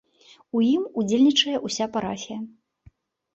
У ім удзельнічае ўся парафія.